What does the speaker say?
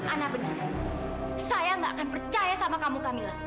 ana benar saya gak akan percaya sama kamu kamila